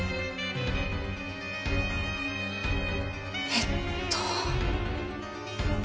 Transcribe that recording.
えっと。